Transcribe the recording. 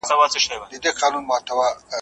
کال په کال خزانېدلای رژېدلای ,